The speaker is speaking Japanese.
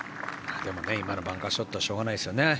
でも今のバンカーショットはしょうがないです。